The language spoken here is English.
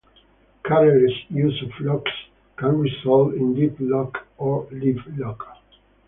Careless use of locks can result in deadlock or livelock.